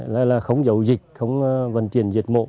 đây là không giấu dịch không vận chuyển